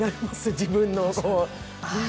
自分の。